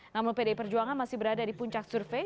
namun pdi perjuangan masih berada di puncak survei